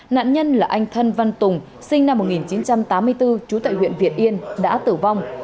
nạn nhân là anh thân văn tùng sinh năm một nghìn chín trăm tám mươi bốn trú tại huyện việt yên đã tử vong